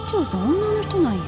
女の人なんや。